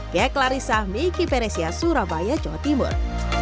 kek larissa miki peresia surabaya jawa timur